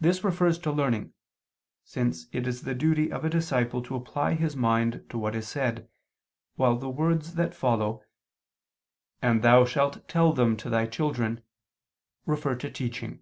This refers to learning, since it is the duty of a disciple to apply his mind to what is said, while the words that follow "and thou shalt tell them to thy children" refer to teaching.